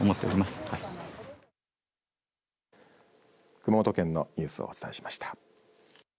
熊本県のニュースをお伝えしました。